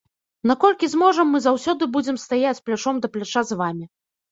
Наколькі зможам, мы заўсёды будзем стаяць плячом да пляча з вамі.